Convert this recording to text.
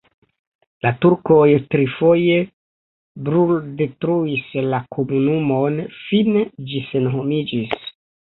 La turkoj trifoje bruldetruis la komunumon, fine ĝi senhomiĝis.